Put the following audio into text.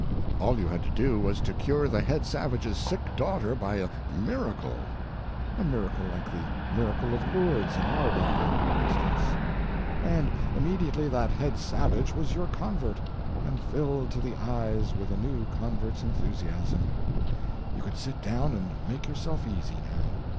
All you had to do was to cure the head savage's sick daughter by a "miracle"—a miracle like the miracle of Lourdes in our day, for instance—and immediately that head savage was your convert, and filled to the eyes with a new convert's enthusiasm. You could sit down and make yourself easy, now.